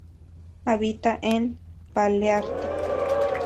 Habita en Paleártico.